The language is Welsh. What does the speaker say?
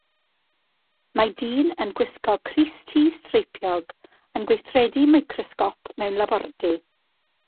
Mae dyn, yn gwisgo crys-t streipiog, yn gweithredu microsgop mewn labordy.